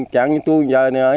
chẳng như tôi giờ này